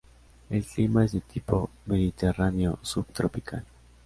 El clima es de tipo mediterráneo subtropical.